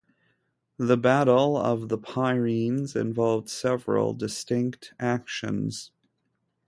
The Battle of the Pyrenees involved several distinct actions.